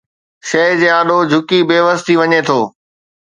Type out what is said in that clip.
شيءِ جي آڏو جهڪي بيوس ٿي وڃي ٿو